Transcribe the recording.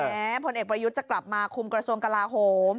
ผลเอกประยุทธ์จะกลับมาคุมกระทรวงกลาโหม